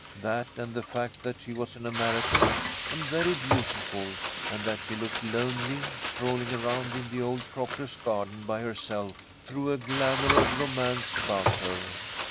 That, and the fact that she was an American, and very beautiful, and that she looked lonely strolling around the old proctor's garden by herself, threw a glamour of romance about her.